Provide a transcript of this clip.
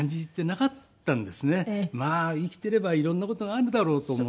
まあ生きていれば色んな事があるだろうと思って。